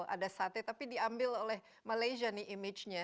ada sate tapi diambil oleh malaysia nih image nya